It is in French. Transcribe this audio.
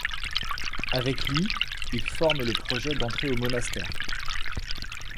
Avec lui, il forme le projet d'entrer au monastère.